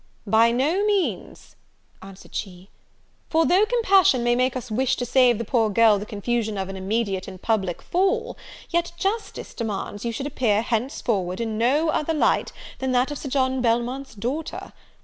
"By no means," said she; "for though compassion may make us wish to save the poor girl the confusion of an immediate and public fall, yet justice demands you should appear henceforward in no other light than that of Sir John Belmont's daughter.